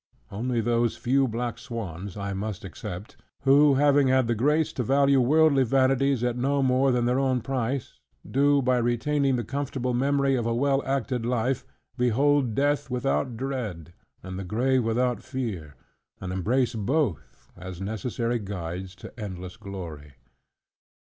" Only those few black swans, I must except: who having had the grace to value worldly vanities at no more than their own price; do, by retaining the comfortable memory of a well acted life, behold death without dread, and the grave without fear; and embrace both, as necessary guides to endless glory.